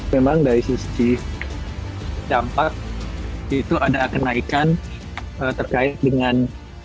memang dari sisi dampak itu ada kenaikan terkait dengan